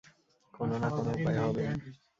কোনো না কোনো উপায় হবেই?